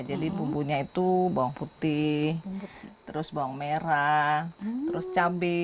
jadi bumbunya itu bawang putih terus bawang merah terus cabai